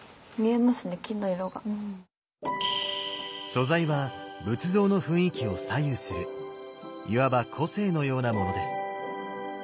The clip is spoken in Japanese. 素材は仏像の雰囲気を左右するいわば個性のようなものです。